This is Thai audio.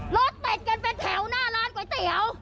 รถติดกันเป็นแถวหน้าร้านก๋วยเตี๋ยว